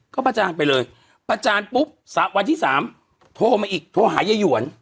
ก็ประจานไปเลยประจานปุ๊บวันที่๓โทรมาอีกโทรหายายหวน